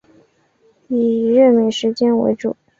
以任命时间为主